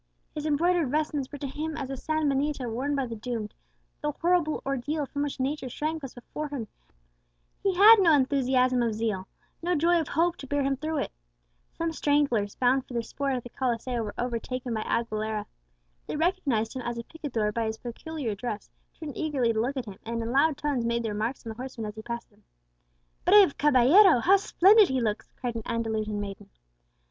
His embroidered vestments were to him as the san benito worn by the doomed; the horrible ordeal from which nature shrank was before him, and he had no enthusiasm of zeal, no joy of hope, to bear him through it. Some stragglers, bound for the sport at the Coliseo, were overtaken by Aguilera. They recognized him as a picador by his peculiar dress, turned eagerly to look at him, and in loud tones made their remarks on the horseman as he passed them. "Brave caballero! how splendid he looks!" cried an Andalusian maiden.